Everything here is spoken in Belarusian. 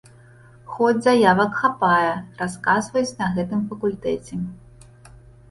Хоць заявак хапае, расказваюць на гэтым факультэце.